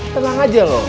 tenang aja lo